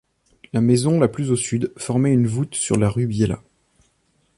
La maison la plus au sud formait une voûte sur la rue Biela.